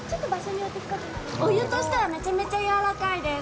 お湯としたらめちゃめちゃ軟らかいです。